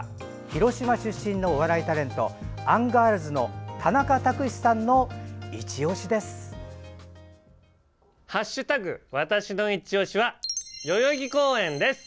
広島出身のお笑いタレントアンガールズの田中卓志さんのいちオシです。